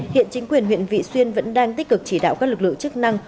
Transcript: hiện chính quyền huyện vị xuyên vẫn đang tích cực chỉ đạo các lực lượng chức năng